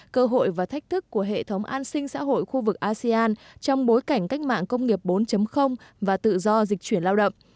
cơ hội và thách thức của hệ thống an sinh xã hội khu vực asean trong bối cảnh cách mạng công nghiệp bốn và tự do dịch chuyển lao động